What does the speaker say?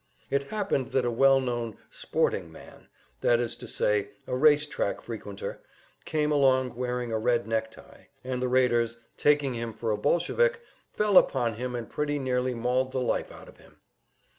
It happened that a well known "sporting man," that is to say a race track frequenter, came along wearing a red necktie, and the raiders, taking him for a Bolshevik, fell upon him and pretty nearly mauled the life out of him.